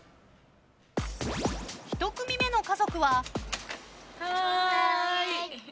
１組目の家族は。